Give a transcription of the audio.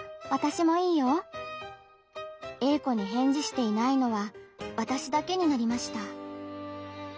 Ａ子に返事していないのはわたしだけになりました。